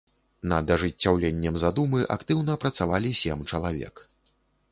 Над ажыццяўленнем задумы актыўна працавалі сем чалавек.